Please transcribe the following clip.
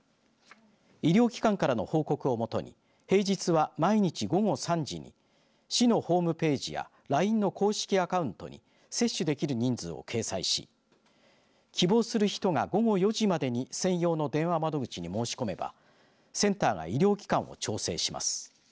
医療機関からの報告をもとに平日は毎日午後３時に市のホームページやＬＩＮＥの公式アカウントに接種できる人数を掲載し希望する人が午後４時までに専用の電話窓口に申し込めばセンターが医療機関を調整します。